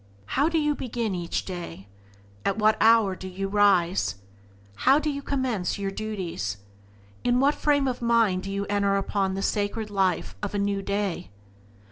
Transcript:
How do you begin each day? At what hour do you rise? How do you commence your duties? In what frame of mind do you enter upon the sacred life of a new day?